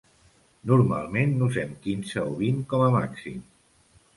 Normalment n’usem quinze o vint com a màxim.